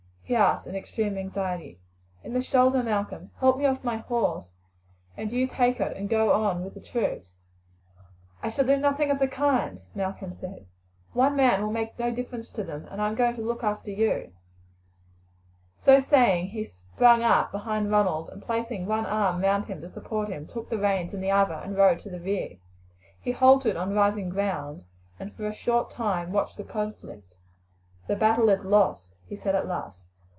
he asked in extreme anxiety. "In the shoulder, Malcolm. Help me off my horse, and do you take it and go on with the troops." "I shall do nothing of the kind," Malcolm said. "One man will make no difference to them, and I am going to look after you." So saying he sprang up behind Ronald, and placing one arm round him to support him, took the reins in the other and rode to the rear. He halted on rising ground, and for a short time watched the conflict. "The battle is lost," he said at last.